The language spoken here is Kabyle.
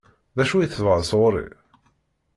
D acu i tebɣa sɣur-i?